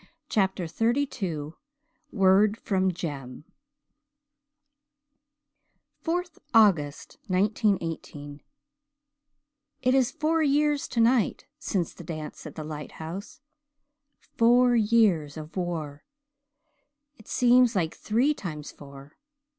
CHAPTER XXXII WORD FROM JEM 4th August 1918 "It is four years tonight since the dance at the lighthouse four years of war. It seems like three times four.